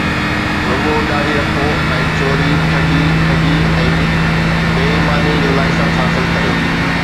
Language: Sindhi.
رڳو ڏاڙهي رکو ۽ چوري، ٺڳي، ٺڳي ۽ بي ايماني جو لائسنس حاصل ڪريو